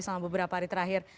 selama beberapa hari terakhir